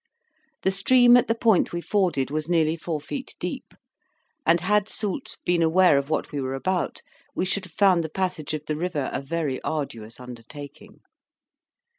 The stream at the point we forded was nearly four feet deep, and had Soult been aware of what we were about, we should have found the passage of the river a very arduous undertaking.